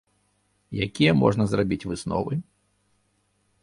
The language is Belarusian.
Якія можна зрабіць высновы?